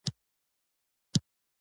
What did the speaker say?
دا نجلۍ دې څه کيږي؟